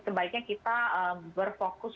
sebaiknya kita berfokus